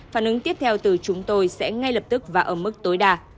phản ứng tiếp theo từ chúng tôi sẽ ngay lập tức và ở mức tối đa